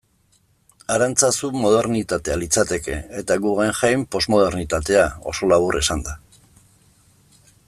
Arantzazu modernitatea litzateke, eta Guggenheim, posmodernitatea, oso labur esanda.